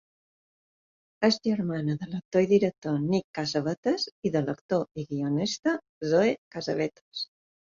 És germana de l'actor i director Nick Cassavetes i de l'actor i guionista Zoe Cassavetes.